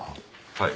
はい。